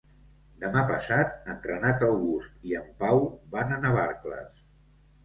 Demà passat en Renat August i en Pau van a Navarcles.